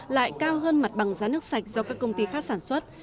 lại cao hơn mặt bằng giá nước sạch do các công ty khác sản xuất